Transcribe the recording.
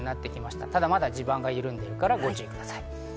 ただ、地盤がまだ緩んでいるのでご注意ください。